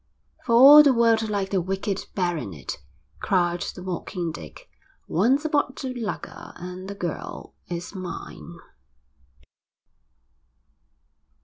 'For all the world like the wicked baronet,' cried the mocking Dick. 'Once aboard the lugger, and the gurl is mine.'